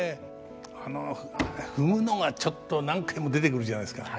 あの踏むのがちょっと何回も出てくるじゃないですか。